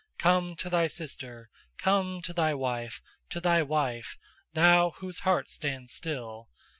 Come to thy sister, come to thy wife, to thy wife, thou whose heart stands still.